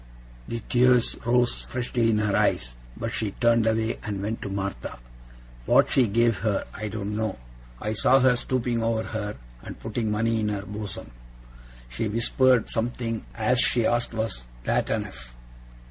The tears rose freshly in her eyes, but she turned away and went to Martha. What she gave her, I don't know. I saw her stooping over her, and putting money in her bosom. She whispered something, as she asked was that enough?